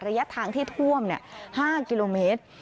ระยะทางที่ท่วม๕กิโลเมตร